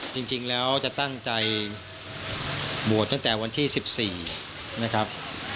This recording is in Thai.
จริงแล้วจะตั้งใจบวชตั้งแต่วันที่๑๔นะครับ